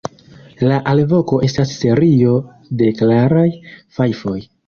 La alvoko estas serio de klaraj fajfoj.